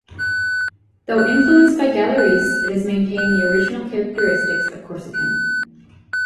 Though influenced by Gallurese, it has maintained the original characteristics of Corsican.